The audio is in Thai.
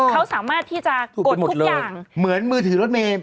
เขาสามารถที่จะกดทุกอย่างเหมือนมือถือรถเมย์